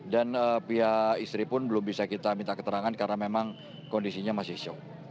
dan pihak istri pun belum bisa kita minta keterangan karena memang kondisinya masih shock